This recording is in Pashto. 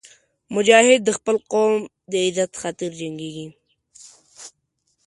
مجاهد د خپل قوم د عزت خاطر جنګېږي.